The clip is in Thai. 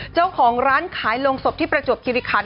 เจ้าของร้านขายโรงศพที่ประจวบคิริคัน